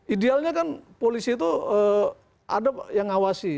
idealnya kan polisi itu ada yang ngawasi